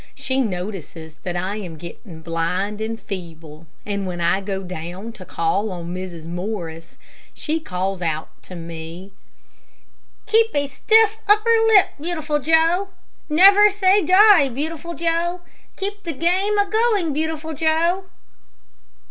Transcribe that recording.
She notices that I am getting blind and feeble, and when I go down to call on Mrs. Morris, she calls out to me, "Keep a stiff upper lip, Beautiful Joe. Never say die, Beautiful Joe. Keep the game a going, Beautiful Joe."